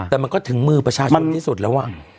แต่มันก็ถึงมือประชาชนที่สุดแล้ว